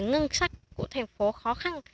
ngân sách của thành phố khó khăn